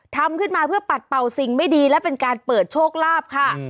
ทำขึ้นมาเพื่อปัดเป่าสิ่งไม่ดีและเป็นการเปิดโชคลาภค่ะ